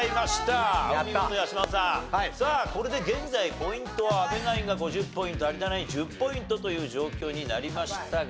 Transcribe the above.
さあこれで現在ポイントは阿部ナインが５０ポイント有田ナイン１０ポイントという状況になりましたが。